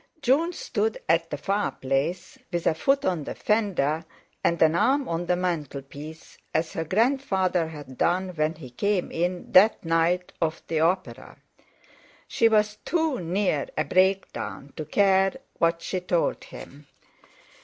June stood at the fireplace, with a foot on the fender and an arm on the mantelpiece, as her grandfather had done when he came in that night of the opera. She was too near a breakdown to care what she told him.